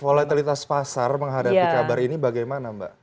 volatilitas pasar menghadapi kabar ini bagaimana mbak